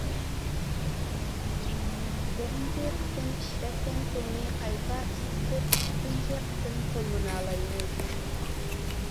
بىرىنچى قېتىم ئىشلەتكەن سۇنى قايتا ئىسسىتىپ، ئىككىنچى قېتىم قوللىنالايمىز.